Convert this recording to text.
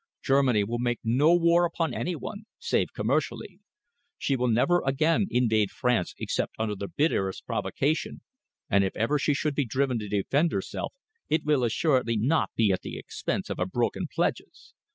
Germany will make no war upon any one, save commercially. She will never again invade France except under the bitterest provocation, and if ever she should be driven to defend herself, it will assuredly not be at the expense of her broken pledges.